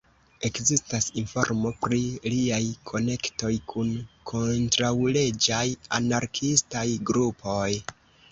Ekzistas informo pri liaj konektoj kun kontraŭleĝaj anarkiistaj grupoj.